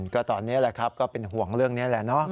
ก็ตอนนี้แหละครับก็เป็นห่วงเรื่องนี้แหละเนอะ